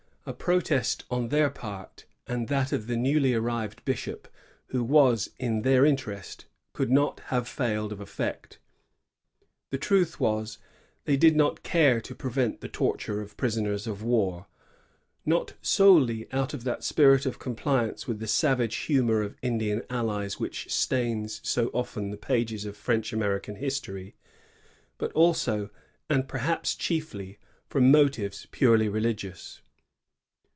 A protest on their part, and that of the newly arriyed bishop, who was in their interest, could not haye failed of effect. The truth was, they did not care to prevent the torture of prisoners of war, — not solely out of that spirit of compliance with the savage humor of Indian allies which stains so often the pages of French American history, but also, and perhaps chiefly, from motives purely religious.